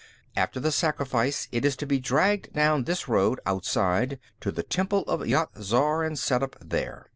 "After the sacrifice, it is to be dragged down this road, outside, to the temple of Yat Zar, and set up there.